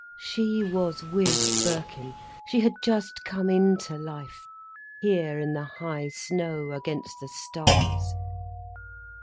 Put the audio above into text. She was with Birkin, she had just come into life, here in the high snow, against the stars.